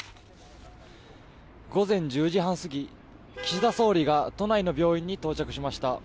午前１０時半過ぎ岸田総理が都内の病院に到着しました。